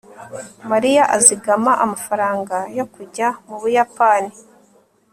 mariya azigama amafaranga yo kujya mu buyapani